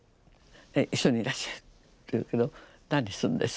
「一緒にいらっしゃい」と言うけど「何するんです？」